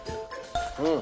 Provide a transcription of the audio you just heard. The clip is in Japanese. うん。